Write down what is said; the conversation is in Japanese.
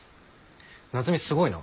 夏海すごいな。